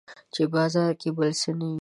چې بازار کې بل څه نه وي